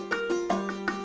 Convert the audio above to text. aku juga banget